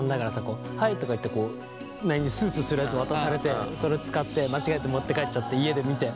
こう「はい」とか言ってススするやつ渡されてそれを使って間違えて持って帰っちゃって家で見て。